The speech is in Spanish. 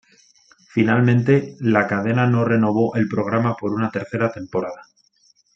Finalmente, la cadena no renovó el programa por una tercera temporada.